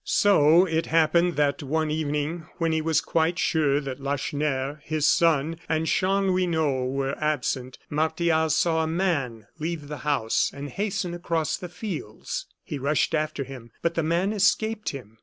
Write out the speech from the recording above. So it happened that, one evening, when he was quite sure that Lacheneur, his son, and Chanlouineau were absent, Martial saw a man leave the house and hasten across the fields. He rushed after him, but the man escaped him.